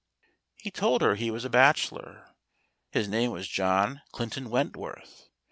He told her he was a bachelor. His name was John Clinton Wentworth.